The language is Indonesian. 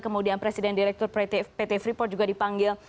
kemudian presiden direktur pt freeport juga dipanggil